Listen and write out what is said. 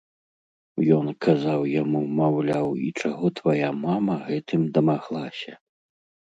Ён казаў яму, маўляў, і чаго твая мама гэтым дамаглася?